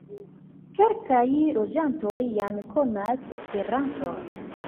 Kelkaj loĝantoj jam konas Esperanton.